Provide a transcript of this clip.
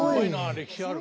歴史ある。